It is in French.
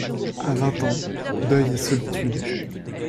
À vingt ans, deuil et solitude!